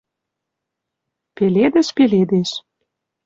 Пеледӹш пеледеш.